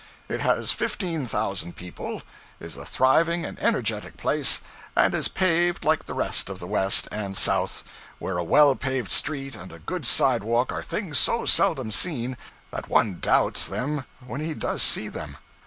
It has fifteen thousand people, is a thriving and energetic place, and is paved like the rest of the west and south where a well paved street and a good sidewalk are things so seldom seen, that one doubts them when he does see them.